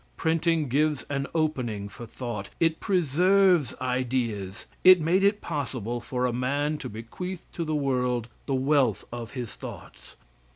Printing gives an opening for thought; it preserves ideas; it made it possible for a man to bequeath to the world the wealth of his thoughts.